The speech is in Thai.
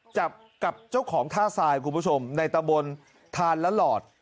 จับกับเจ้าของท่าทรายคุณผู้ชมในตะบนทานละหลอด